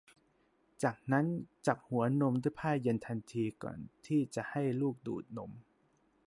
จากนั้นจับหัวนมด้วยผ้าเย็นทันทีก่อนที่จะให้ลูกดูดนม